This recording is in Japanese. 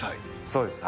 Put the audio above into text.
そうです。